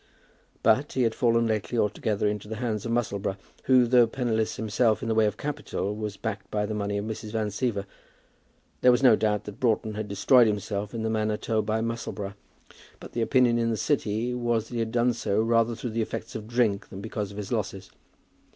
But he had fallen lately altogether into the hands of Musselboro, who, though penniless himself in the way of capital, was backed by the money of Mrs. Van Siever. There was no doubt that Broughton had destroyed himself in the manner told by Musselboro, but the opinion in the City was that he had done so rather through the effects of drink than because of his losses.